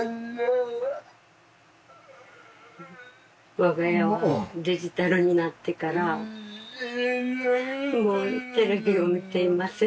「我が家はデジタルになってからもうテレビを見ていません」